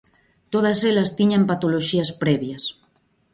Todas elas tiñan patoloxías previas.